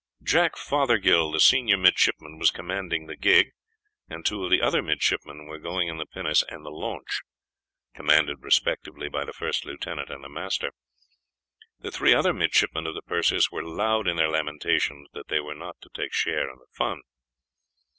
Jack Fothergill, the senior midshipman, was commanding the gig, and two of the other midshipmen were going in the pinnace and launch, commanded respectively by the first lieutenant and the master. The three other midshipmen of the Perseus were loud in their lamentations that they were not to take share in the fun.